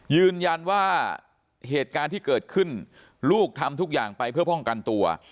ยืนยันว่าเหตุการณ์ที่เกิดขึ้นลูกทำทุกอย่างไปเพื่อป้องกันตัว